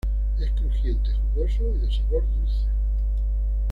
Es crujiente, jugoso y de sabor dulce.